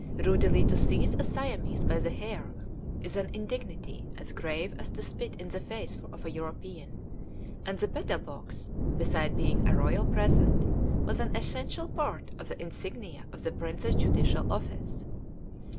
Rudely to seize a Siamese by the hair is an indignity as grave as to spit in the face of a European; and the betel box, beside being a royal present, was an essential part of the insignia of the prince's judicial office.